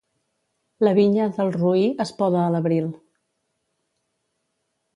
La vinya del roí es poda a l'abril.